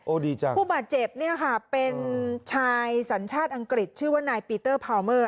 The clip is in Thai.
ดีจังผู้บาดเจ็บเนี่ยค่ะเป็นชายสัญชาติอังกฤษชื่อว่านายปีเตอร์พาวเมอร์